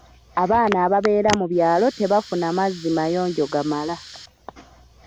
Abantu ababeera mu byalo tebafuna mazzi mayonjo gamala.